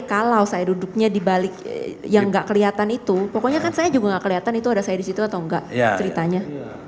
kalau saya duduknya di balik yang enggak kelihatan itu pokoknya kan saya juga enggak kelihatan itu ada saya disitu atau enggak ceritanya